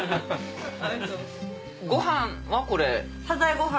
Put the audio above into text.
ご飯はこれ。